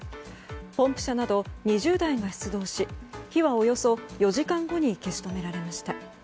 ポンプ車など２０台が出動し火はおよそ４時間後に消し止められました。